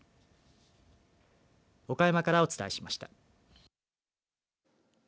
岡山からお伝えしました。